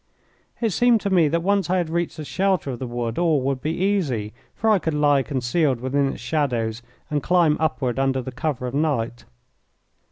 It seemed to me that once I had reached the shelter of the wood all would be easy, for I could lie concealed within its shadows and climb upward under the cover of night.